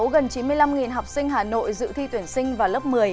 gần chín mươi năm học sinh hà nội dự thi tuyển sinh vào lớp một mươi